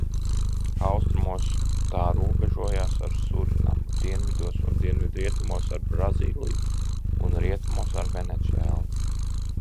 Austrumos tā robežojas ar Surinamu, dienvidos un dienvidrietumos ar Brazīliju un rietumos ar Venecuēlu.